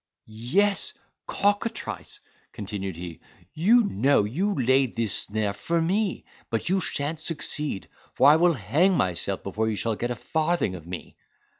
"Yes, cockatrice," continued he, "you know you laid this snare for me—but you shan't succeed—for I will hang myself before you shall get a farthing of me."